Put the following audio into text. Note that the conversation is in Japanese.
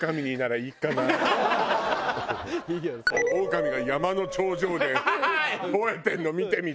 オオカミが山の頂上でほえてるの見てみたいわ。